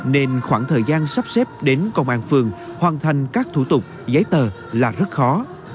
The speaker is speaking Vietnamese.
nên khoảng thời gian sắp xếp đến công an phường hoàn thành các thủ tục giấy tờ là rất khó